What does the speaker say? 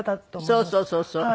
そうそうそうそう。